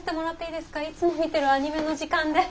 いつも見てるアニメの時間で。